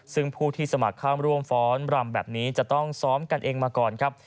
ซึ่งผู้ที่สมัครข้ามร่วมฟ้อนรำแบบนี้จะต้องซ้อมกันเองมาก่อนครับ